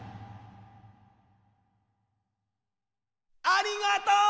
ありがとう！